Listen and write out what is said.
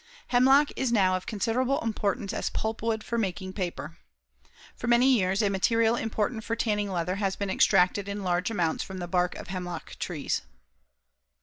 Hemlock is now of considerable importance as pulpwood for making paper. For many years, a material important for tanning leather has been extracted in large amounts from the bark of hemlock trees.